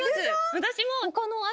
私も。